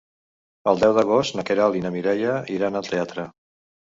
El deu d'agost na Queralt i na Mireia iran al teatre.